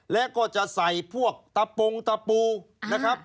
และก็จะใส่พวกตะปงตะปูนะครับ